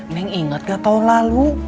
neng ingat nggak tahun lalu